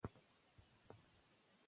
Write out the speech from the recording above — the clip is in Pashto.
ښځه حق لري چې د خپل مال لپاره تصمیم ونیسي.